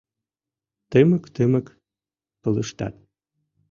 Тымык-тымык пылыштат